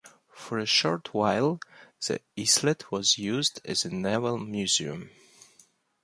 For a short while, the islet was used as a naval museum.